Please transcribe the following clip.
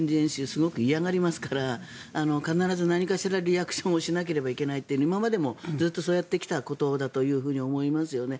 すごく嫌がりますから必ず何かしらリアクションをしなければいけないという今までもずっとそうやってきたことだと思いますよね。